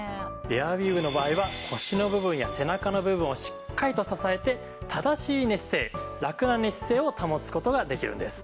エアウィーヴの場合は腰の部分や背中の部分をしっかりと支えて正しい寝姿勢ラクな寝姿勢を保つ事ができるんです。